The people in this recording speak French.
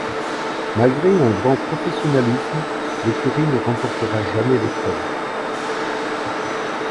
Malgré un grand professionnalisme, l'écurie ne remportera jamais l'épreuve.